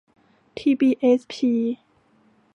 ทีบีเอสพี